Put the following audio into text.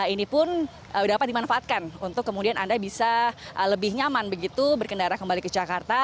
ini pun dapat dimanfaatkan untuk kemudian anda bisa lebih nyaman begitu berkendara kembali ke jakarta